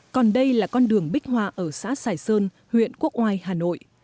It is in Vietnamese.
còn đây là con đường bích hòa ở xã sài sơn huyện quốc oai hà nội